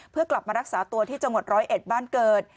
เพื่อกลับมารักษาตัวที่จังหวัดร้อยเอ็ดบ้านเกิด